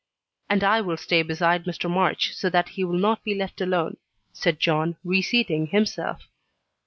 "And I will stay beside Mr. March, so that he will not be left alone," said John, reseating himself.